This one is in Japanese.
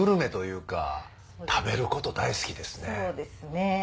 そうですね。